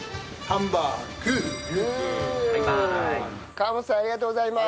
河本さんありがとうございます！